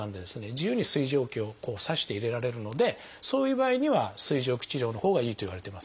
自由に水蒸気を刺して入れられるのでそういう場合には水蒸気治療のほうがいいといわれています。